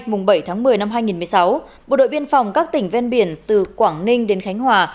ngày bảy tháng một mươi năm hai nghìn một mươi sáu bộ đội biên phòng các tỉnh ven biển từ quảng ninh đến khánh hòa